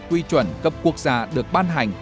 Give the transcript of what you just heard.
quy chuẩn cấp quốc gia được ban hành